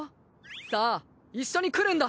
さぁ一緒に来るんだ。